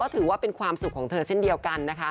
ถือว่าเป็นความสุขของเธอเช่นเดียวกันนะคะ